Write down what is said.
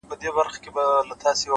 د حقیقت منل د ودې دروازه ده؛